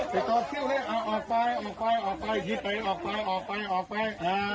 ไปต่อคิวออกไปออกไปออกไปหยิบไปออกไปออกไปออกไป